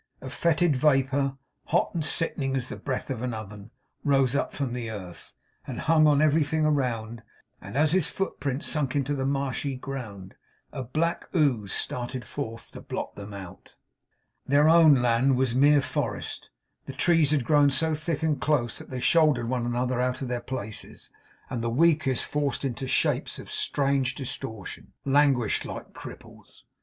A fetid vapour, hot and sickening as the breath of an oven, rose up from the earth, and hung on everything around; and as his foot prints sunk into the marshy ground, a black ooze started forth to blot them out. Their own land was mere forest. The trees had grown so think and close that they shouldered one another out of their places, and the weakest, forced into shapes of strange distortion, languished like cripples.